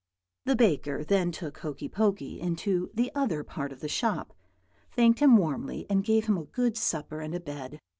"The baker then took Hokey Pokey into the other part of the shop, thanked him warmly, and gave him a good supper and a bed.